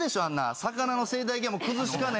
魚の生態系も崩しかねない。